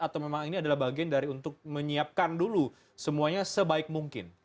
atau memang ini adalah bagian dari untuk menyiapkan dulu semuanya sebaik mungkin